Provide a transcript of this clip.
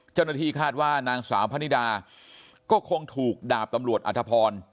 เจ้าหน้าที่คาดว่านางสาวพนิดาก็คงถูกดาบตำรวจอธพร